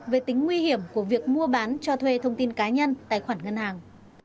về tính nguy hiểm của việc mua bán cho thuê thông tin cá nhân tài khoản ngân hàng